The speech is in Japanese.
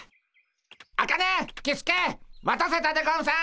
アカネキスケ待たせたでゴンス。